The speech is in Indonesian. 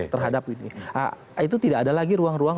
terhadap ini itu tidak ada lagi ruang ruang